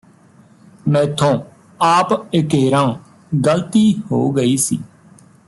ਮੈਥੋਂ ਆਪ ਇਕੇਰਾਂ ਗ਼ਲਤੀ ਹੋ ਗਈ ਸੀ